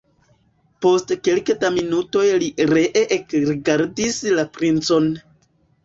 Post kelke da minutoj li ree ekrigardis la princon.